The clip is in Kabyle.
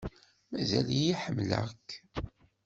Mazal-iyi ḥemmleɣ-k.